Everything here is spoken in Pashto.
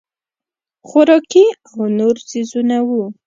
خوراکي او نور څیزونه وو.